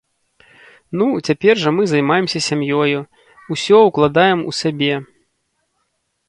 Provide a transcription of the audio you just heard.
Ну, цяпер жа мы займаемся сям'ёю, усё ўкладаем у сябе.